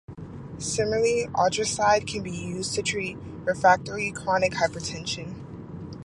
Similarly, octreotide can be used to treat refractory chronic hypotension.